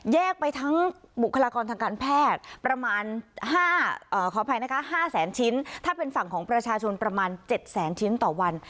ไปทั้งบุคลากรทางการแพทย์ประมาณขออภัยนะคะ๕แสนชิ้นถ้าเป็นฝั่งของประชาชนประมาณ๗แสนชิ้นต่อวัน